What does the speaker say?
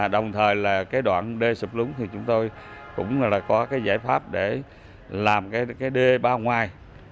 đồng thời đoạn đê sụp lúng thì chúng tôi cũng có giải pháp để làm đê bao ngoài